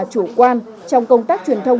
chủ quan trong công tác truyền thông